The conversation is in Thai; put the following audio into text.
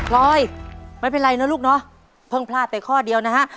ลอยไม่เป็นไรนะลูกเนาะเพิ่งพลาดไปข้อเดียวนะฮะ